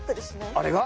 あれが？